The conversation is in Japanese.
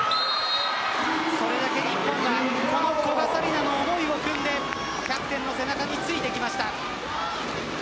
これだけ日本が古賀紗理那の思いをくんでキャプテンの背中についてきました。